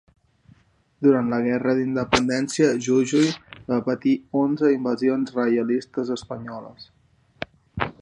Durant la guerra d'independència, Jujuy va patir onze invasions reialistes espanyoles.